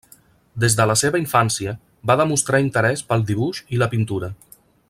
Des de la seva infància va demostrar interès pel dibuix i la pintura.